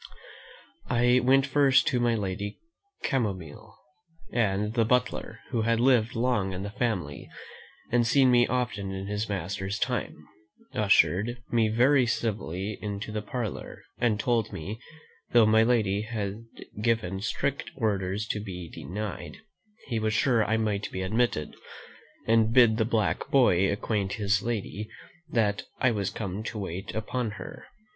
I went first to my lady Camomile; and the butler, who had lived long in the family, and seen me often in his master's time, ushered me very civilly into the parlour, and told me, though my lady had given strict orders to be denied, he was sure I might be admitted, and bid the black boy acquaint his lady that I was come to wait upon her.